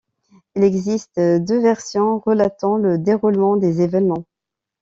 Il existe deux versions relatant le déroulement des événements.